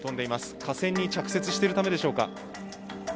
架線に着雪しているためでしょうか。